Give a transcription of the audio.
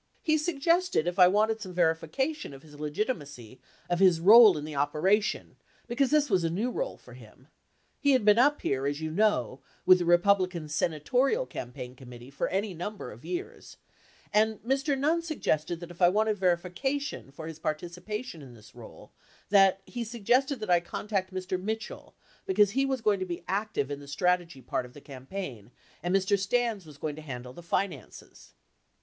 He suggested if I wanted some verification of his legitimacy of his role in the operation because this was a new role for him — lie had been up here, as you know, with the Republican Senatorial Campaign Committee for any number of years, and Mr. Nunn suggested that if I wanted verification for his participation in this role, that he suggested that I contact Mr. Mitchell because he was going to be active in the strategy part of the campaign and Mr. Stans was going to handle the finances.